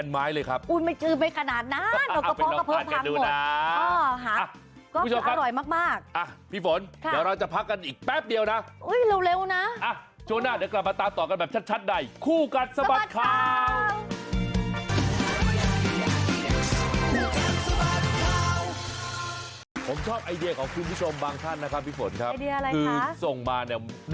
เมื่อชื่อไหมกระหนาดนะหนูกระเพาะภังผังหมด